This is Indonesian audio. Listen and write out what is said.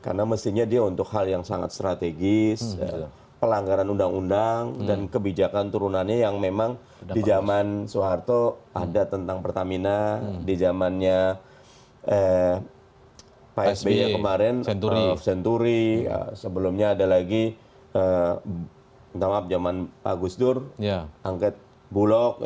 karena mestinya dia untuk hal yang sangat strategis pelanggaran undang undang dan kebijakan turunannya yang memang di zaman soeharto ada tentang pertamina di zamannya pak sby kemarin senturi sebelumnya ada lagi zaman pak gusdur angket bulog